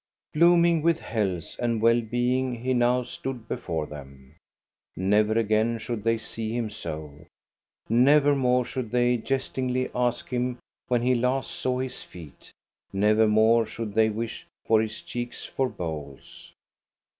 Blooming with health and well being, he now stood before them. Never again should they see him so. Never more should they jestingly ask him when he last saw his feet ; never more should they wish for his cheeks for bowls.